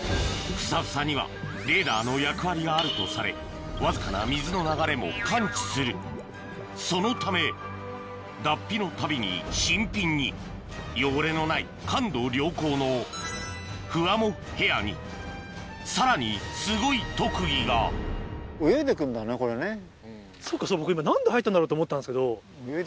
フサフサにはレーダーの役割があるとされわずかな水の流れも感知するそのため脱皮のたびに新品に汚れのない感度良好のふわもふヘアにさらにすごい特技がそうか今何で入ったんだろう？と思ったんですけど。